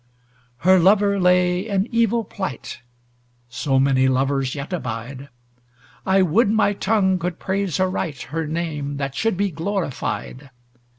Her lover lay in evil plight (So many lovers yet abide!) I would my tongue could praise aright Her name, that should be glorified.